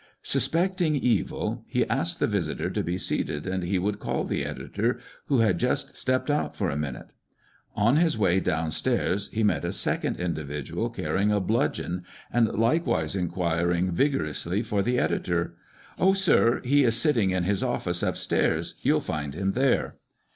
Suspecting evil, he asked the visitor to be seated, and he would call the editor, who had just stepped out for a minute. On his way down stairs he met a second in dividual carrying a bludgeon, and likewise in quiring vigorously for the editor. " Oh, sir, he is sitting in his office up stairs. You'll find him there."